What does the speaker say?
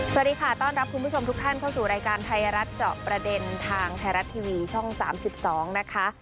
สวัสดีค่ะต้อนรับคุณผู้ชมทุกท่านเข้าสู่รายการไทยรัฐเจาะประเด็นทางไทยรัฐทีวีช่อง๓๒นะคะ